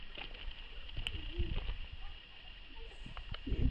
بزکشي ولې د افغانستان ملي لوبه نه ده؟